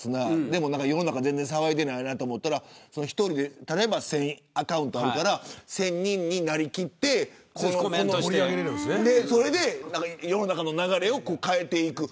でも世の中全然騒いでいないなと思ったら例えば、１人で１０００アカウントあるから１０００人になりきってコメントをして世の中の流れを変えていく。